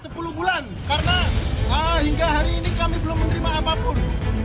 sepuluh bulan karena hingga hari ini kami belum menerima apapun